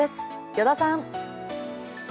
依田さん。